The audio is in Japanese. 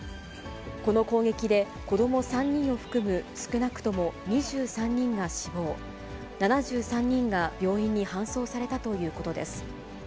この攻撃で、子ども３人を含む、少なくとも２３人が死亡、７３人が病院に搬送されたということです。